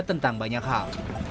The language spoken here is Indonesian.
tentang banyak hal